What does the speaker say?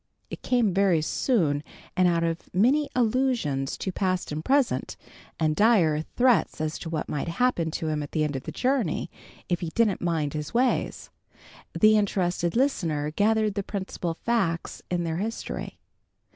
It came very soon, and out of many allusions to past and present, and dire threats as to what might happen to him at the end of the journey if he didn't mend his ways, the interested listener gathered the principal facts in their history.